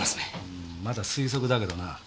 んーまだ推測だけどな。